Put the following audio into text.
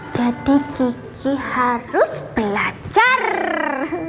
jadi kiki harus belajar